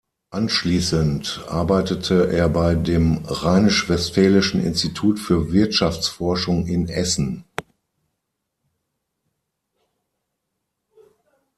Anschließend arbeitete er bei dem Rheinisch-Westfälischen Institut für Wirtschaftsforschung in Essen.